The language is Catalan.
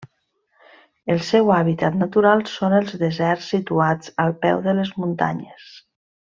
El seu hàbitat natural són els deserts situats al peu de les muntanyes.